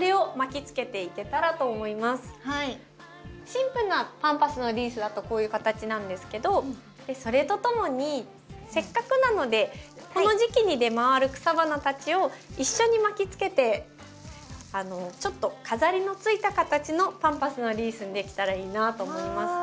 シンプルなパンパスのリースだとこういう形なんですけどそれとともにせっかくなのでこの時期に出回る草花たちを一緒に巻きつけてちょっと飾りのついた形のパンパスのリースにできたらいいなと思います。